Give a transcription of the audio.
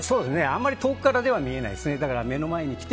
あまり遠くからでは見えないですね。